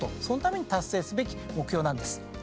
そのために達成すべき目標なんです。